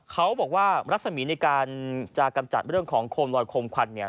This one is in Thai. เขาบอกว่ารัศมีในการจะกำจัดเรื่องของโคมลอยโคมควันเนี่ย